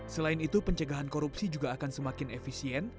selain itu pencegahan korupsi juga akan semakin efisien